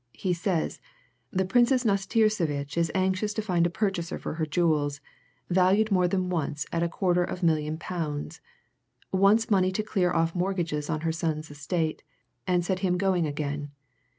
He says. 'The Princess Nastirsevitch is anxious to find purchaser for her jewels, valued more than once at about a quarter of million pounds. Wants money to clear off mortgages on her son's estate, and set him going again.